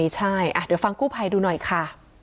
ใช่เดี๋ยวฟังกู้ภัยดูหน่อยค่ะ